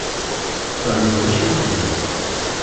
Tfehmem d acu i d-yenna?